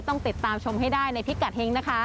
ต้องติดตามชมให้ได้ในพิกัดเฮงนะคะ